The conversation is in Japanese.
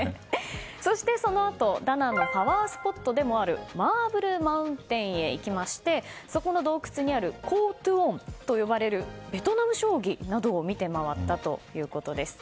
そして、そのあとダナンのパワースポットでもあるマーブルマウンテンへ行きましてそこの洞窟にあるコートゥオンと呼ばれるベトナム将棋などを見て回ったということです。